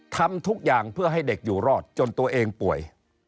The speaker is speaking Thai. ทำทุกอย่างเพื่อให้เด็กอยู่รอดจนตัวเองป่วย